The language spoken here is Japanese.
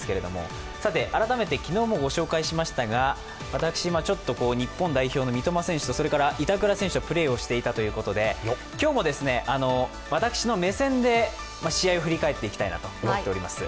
私、日本代表の三笘選手と板倉選手とプレーをしていたということで、今日も私の目線で試合を振り返っていきたいなと思っております。